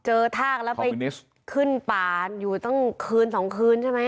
ทากแล้วไปขึ้นป่าอยู่ตั้งคืนสองคืนใช่ไหม